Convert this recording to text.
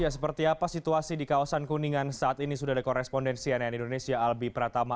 seperti apa situasi di kawasan kuningan saat ini sudah ada korespondensi nn indonesia albi pratama